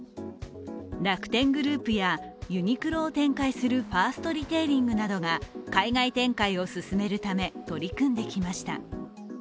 楽天グループやユニクロを展開するファーストリテイリングなどが海外展開を進めるため取り組んできました。